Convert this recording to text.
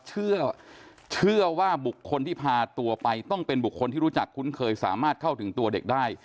เชื่อว่าบุคคลที่พาตัวไปต้องเป็นบุคคลที่รู้จักคุ้นเคยสามารถเข้าถึงตัวเด็กได้